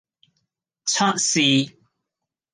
測試